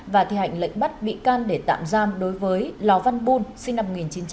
và thi hành lệnh bắt bị can để tạm giam đối với lò văn bùn sinh năm một nghìn chín trăm tám mươi